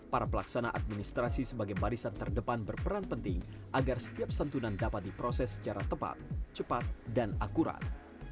para pelaksana administrasi sebagai barisan terdepan berperan penting agar setiap santunan dapat diproses secara tepat cepat dan akurat